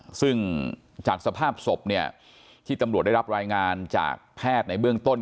ซึ่งจากสภาพศพเนี่ยที่ตำรวจได้รับรายงานจากแพทย์ในเบื้องต้น